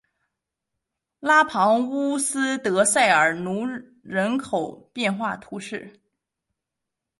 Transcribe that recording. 拉庞乌斯德塞尔农人口变化图示